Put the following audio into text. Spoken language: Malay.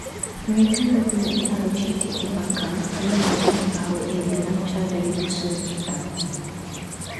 Mereka mempunyai alur cetek di pangkal, yang menunjukkan bahawa ia dilancar dari busur pita